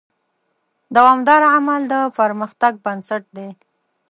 دوامداره عمل د پرمختګ بنسټ دی.